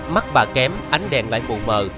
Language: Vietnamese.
mắt bà kém ánh đèn lại buồn mờ